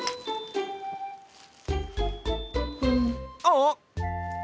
あっ！